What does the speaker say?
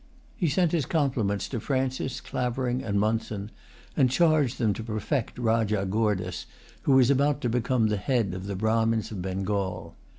He sent his compliments to Francis, Clavering, and Monson, and charged them to protect Rajah Goordas, who was about to become the head of the Brahmins of Bengal.